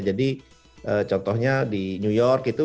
jadi contohnya di new york itu